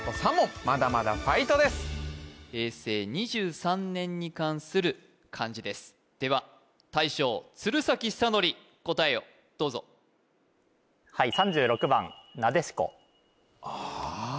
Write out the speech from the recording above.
平成２３年に関する漢字ですでは大将鶴崎修功答えをどうぞはいああああ